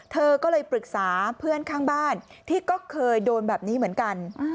เธอก็เลยปรึกษาเพื่อนข้างบ้านที่ก็เคยโดนแบบนี้เหมือนกัน